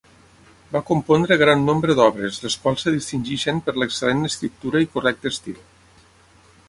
Va compondre gran nombre d'obres, les quals es distingeixen per l'excel·lent escriptura i correcte estil.